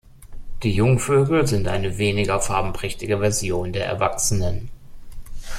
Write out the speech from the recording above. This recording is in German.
Die Jungvögel sind eine weniger farbenprächtige Version der Erwachsenen.